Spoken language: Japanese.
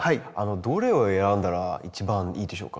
どれを選んだら一番いいでしょうか？